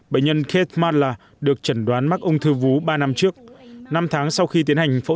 bệnh nhân kate marla được chẩn đoán mắc ung thư vú ba năm trước năm tháng sau khi tiến hành phẫu